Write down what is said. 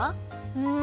うん。